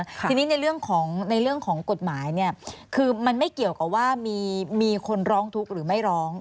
ทีนี้ในเรื่องของในเรื่องของกฎหมายเนี่ยคือมันไม่เกี่ยวกับว่ามีคนร้องทุกข์หรือไม่ร้อง